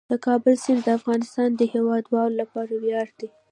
د کابل سیند د افغانستان د هیوادوالو لپاره ویاړ دی.